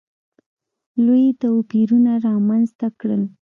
لوی توپیرونه رامځته کړل.